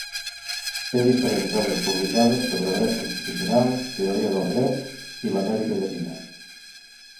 Té diferents obres publicades sobre dret constitucional, teoria del dret i l'Amèrica Llatina.